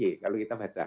kalau kita baca